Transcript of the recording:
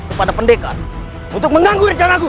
kepada pendekat untuk mengganggu rencanaku